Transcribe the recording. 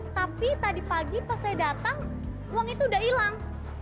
tapi tadi pagi pas saya datang uang itu udah hilang